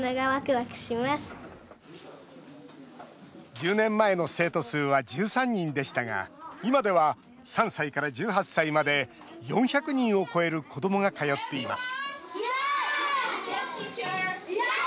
１０年前の生徒数は１３人でしたが今では３歳から１８歳まで４００人を超える子どもが通っています